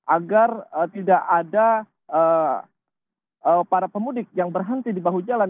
agar tidak ada para pemudik yang berhenti di bahu jalan